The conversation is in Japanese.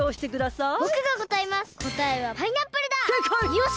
よし！